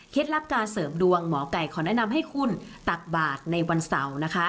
ลับการเสริมดวงหมอไก่ขอแนะนำให้คุณตักบาทในวันเสาร์นะคะ